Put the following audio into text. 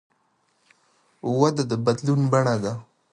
وده د بدلون بڼه ده.